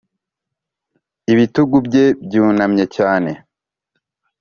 ibitugu bye byunamye cyane